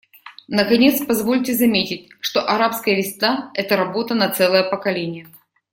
Наконец, позвольте заметить, что «арабская весна» — это работа на целое поколение.